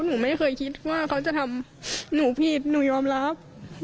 หนูไม่เคยคิดว่าเขาจะทำหนูผิดหนูยอมรับ